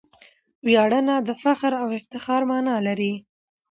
ویاړنه د فخر او افتخار مانا لري.